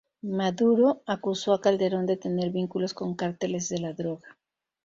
Maduro acusó a Calderón de tener vínculos con carteles de la droga.